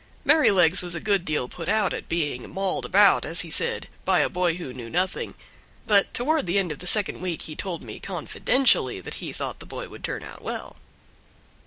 Merrylegs was a good deal put out at being "mauled about," as he said, "by a boy who knew nothing;" but toward the end of the second week he told me confidentially that he thought the boy would turn out well.